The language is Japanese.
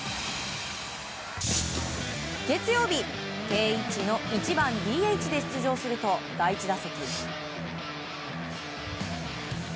月曜日、定位置の１番ＤＨで出場すると第１打席。